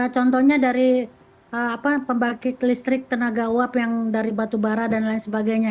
contohnya dari pembangkit listrik tenaga uap yang dari batu bara dan lain sebagainya